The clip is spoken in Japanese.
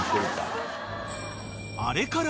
［あれから］